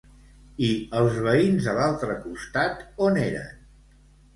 I els veïns de l'altre costat on eren?